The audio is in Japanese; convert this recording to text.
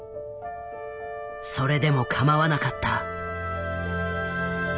それでもかまわなかった。